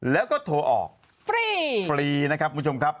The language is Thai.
แล้วก็โทรออกฟรีฟรีนะครับคุณผู้ชมครับ